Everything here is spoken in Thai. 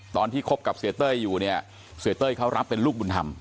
ตอนที่คบกับเสียเต้ยอยู่เสียเต้ยเขารับเป็นลูกบุญธรรม